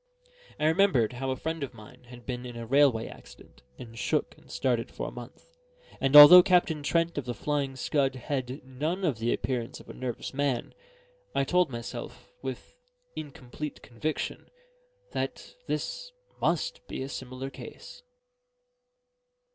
I remembered how a friend of mine had been in a railway accident, and shook and started for a month; and although Captain Trent of the Flying Scud had none of the appearance of a nervous man, I told myself, with incomplete conviction, that his must be a similar case.